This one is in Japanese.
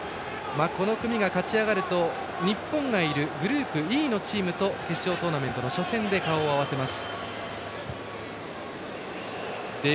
この組が勝ち上がると日本がいるグループＥのチームと決勝トーナメントの初戦で顔を合わせます。